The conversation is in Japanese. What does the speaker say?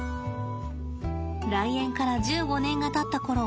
来園から１５年がたったころ